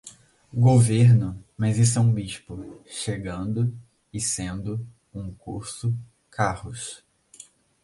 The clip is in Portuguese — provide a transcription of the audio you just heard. governo, mas isso é um bispo, chegando, e sendo, um curso, carros